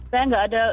saya gak ada